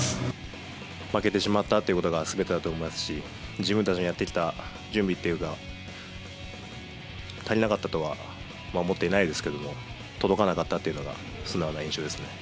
負けてしまったということがすべてだと思いますし、自分たちのやってきた準備というか、足りなかったとは思っていないですけれども、届かなかったというのが素直な印象ですね。